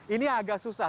ini agak susah